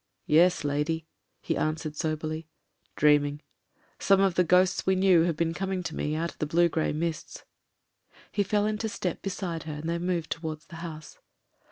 "Yes, lady," he answered soberly. "Dreaming. Some of the ghosts we knew have been coming to me out of the blue grey mists." He fell into step beside her, and they moved towards the house.